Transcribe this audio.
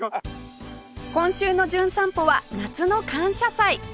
今週の『じゅん散歩』は夏の感謝祭